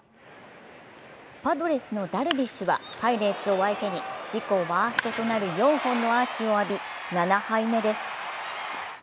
パドレスのダルビッシュはパイレーツを相手に自己ワーストとなる４本のアーチを浴び７敗目です。